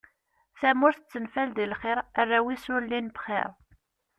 Tamurt tettenfal deg lxir, arraw-is ur llin bxir.